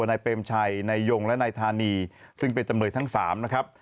ในเบรมชัยในยงและในธานีซึ่งเป็นจำเลยทั้ง๓นะครับ